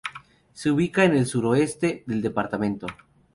Se ubica en el suroeste del departamento.